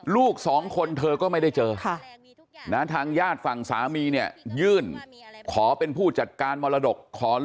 ลูกสองคนเธอก็ไม่ได้เจอทางญาติฝั่งสามีเนี่ยยื่นขอเป็นผู้จัดการมรดก